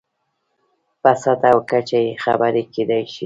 په سطحه او کچه یې خبرې کېدای شي.